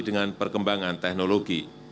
dengan perkembangan teknologi